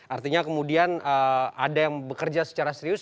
artinya kemudian ada yang bekerja secara serius